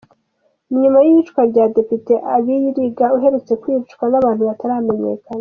Ni nyuma y’iyicwa rya Depite Abiriga uherutse kwicwa n’abantu bataramenyekana.